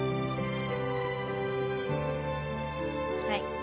はい。